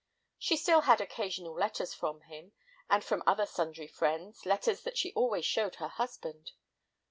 She still had occasional letters from him, and from other sundry friends, letters that she always showed her husband.